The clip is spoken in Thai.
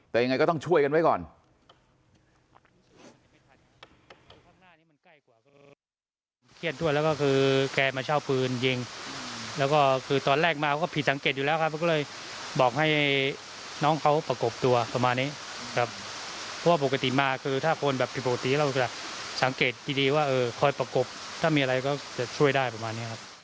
แต่ยังไงก็ต้องช่วยกันไว้ก่อน